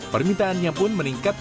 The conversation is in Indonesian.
permintaannya pun meningkat